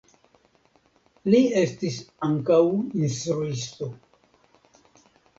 Li estis ankaŭ instruisto.